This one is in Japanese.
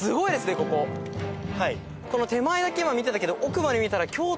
この手前だけ今見てたけど奥まで見たら。